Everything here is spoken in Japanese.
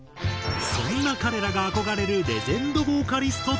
そんな彼らが憧れるレジェンドボーカリストとは？